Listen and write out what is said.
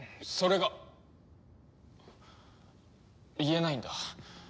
それが。言えないんだ。